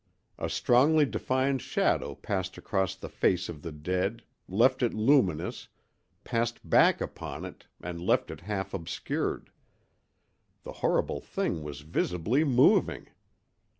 A strongly defined shadow passed across the face of the dead, left it luminous, passed back upon it and left it half obscured. The horrible thing was visibly moving!